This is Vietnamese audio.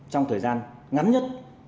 trong thời gian ngắn nhất